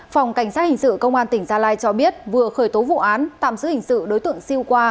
phòng cảnh sát hình sự công an tỉnh gia lai cho biết vừa khởi tố vụ án tạm giữ hình sự đối tượng siêu qua